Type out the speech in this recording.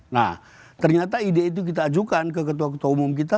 nah ternyata ide itu kita ajukan ke ketua ketua umum kita